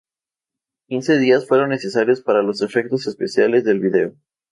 Quince días fueron necesarios para los efectos especiales del video.